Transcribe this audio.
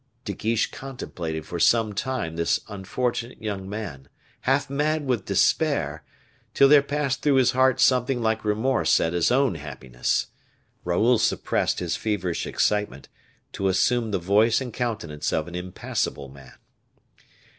De Guiche contemplated for some time this unfortunate young man, half mad with despair, till there passed through his heart something like remorse at his own happiness. Raoul suppressed his feverish excitement, to assume the voice and countenance of an impassible man.